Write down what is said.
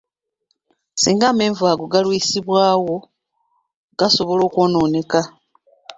Singa amenvu ago galwisibwawo, gasobola okwonooneka.